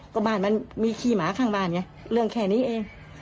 ก็บ้านมันมีขี้หมาข้างบ้านไงเรื่องแค่นี้เอง